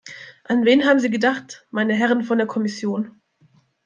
An wen haben Sie gedacht, meine Herren von der Kommission?